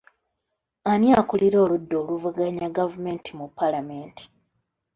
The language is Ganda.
Ani akuulira oludda oluvuganya gavumenti mu paalamenti?